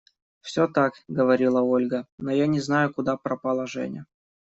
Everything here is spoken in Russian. – Все так, – говорила Ольга. – Но я не знаю, куда пропала Женя.